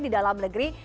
di dalam negeri